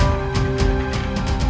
gelar gelar ke'dat itu pak